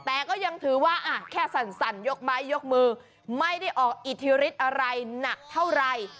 แต่ก็ยังถือว่าแค่สั่นยกไม้ยกมือไม่ได้ออกอิทธิฤทธิ์อะไรหนักเท่าไหร่